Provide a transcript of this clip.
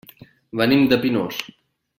Venim de Pinós.